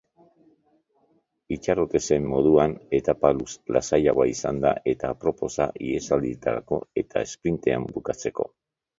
Itxaroten zen moduan etapa lasaia izan da eta aproposa ihesaldirako edo esprintean bukatzeko.